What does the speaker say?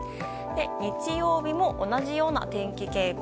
日曜日も同じような天気傾向。